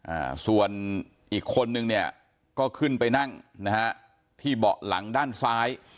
อ่าส่วนอีกคนนึงเนี่ยก็ขึ้นไปนั่งนะฮะที่เบาะหลังด้านซ้าย